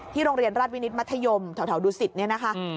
ที่โรงเรียนรัฐวินิตรมัธยมแถวดูสิทธิ์นี้นะคะ